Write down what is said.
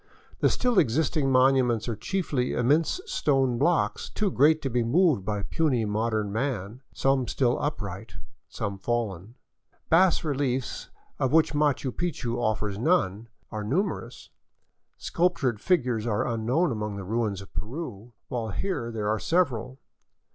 The still existing monuments are chiefly immense stone blocks too great to be moved by puny modern man, some still upright, some fallen. Bas reliefs, of which Machu Picchu offers none, are numerous ; sculptured figures are unknown among the ruins of Peru, while here there are several.